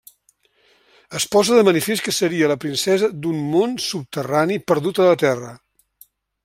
Es posa de manifest que seria la princesa d'un món subterrani perdut a la Terra.